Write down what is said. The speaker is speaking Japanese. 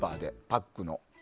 パックの。